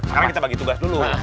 sekarang kita bagi tugas dulu